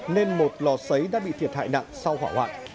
nên một lò xấy đã bị thiệt hại nặng sau hỏa hoạn